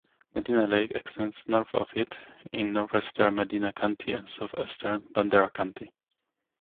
Medina Lake extends north of it in northeastern Medina County and southeastern Bandera County.